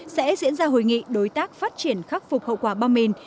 sẽ diễn ra hội nghị đối tác phát triển khắc phục hậu quả bom mìn